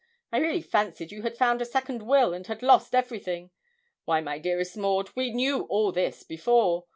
I really fancied you had found a second will, and had lost everything. Why, my dearest Maud, we knew all this before.